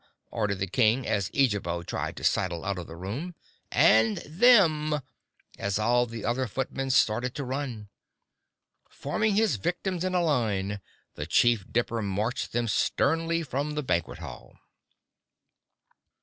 _" ordered the King, as Eejabo tried to sidle out of the room. "And them!" as all the other footmen started to run. Forming his victims in a line the Chief Dipper marched them sternly from the banquet hall.